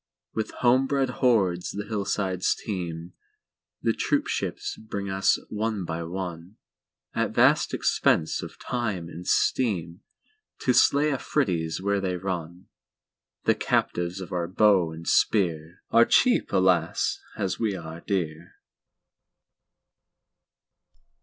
With home bred hordes the hillsides teem. The troopships bring us one by one, At vast expense of time and steam, To slay Afridis where they run. The "captives of our bow and spear"Are cheap, alas! as we are dear.